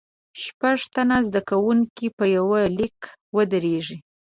شپږ تنه زده کوونکي په یوه لیکه ودریږئ.